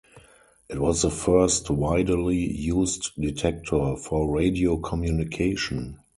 It was the first widely used detector for radio communication.